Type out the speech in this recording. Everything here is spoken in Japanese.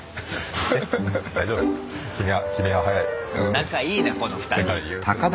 仲いいなこの２人。